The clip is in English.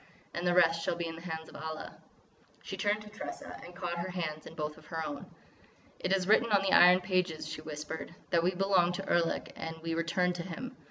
And the rest shall be in the hands of Allah." She turned to Tressa and caught her hands in both of her own: "It is written on the Iron Pages," she whispered, "that we belong to Erlik and we return to him.